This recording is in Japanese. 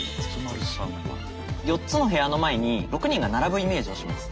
４つの部屋の前に６人が並ぶイメージをします。